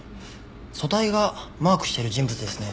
組対がマークしてる人物ですね。